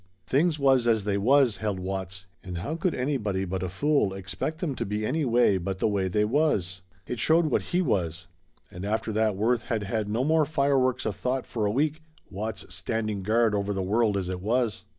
Things was as they was, held Watts, and how could anybody but a fool expect them to be any way but the way they was? It showed what he was and after that Worth had had no more fireworks of thought for a week, Watts standing guard over the world as it was.